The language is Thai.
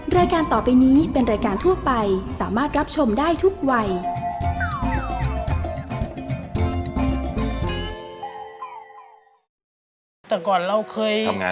รายการต่อไปนี้เป็นรายการทั่วไปสามารถรับชมได้ทุกวัย